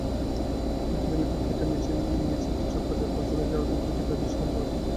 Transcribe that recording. আধা কিলোমিটার হেঁটে মিছিলটি চকবাজারে পৌঁছালে র্যাবের দুটি গাড়িও সেখানে পৌঁছায়।